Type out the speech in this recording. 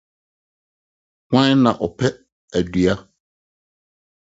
Hena na ɔpɛ beans?